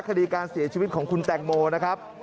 คดีการเสียชีวิตของคุณแตงโมนะครับ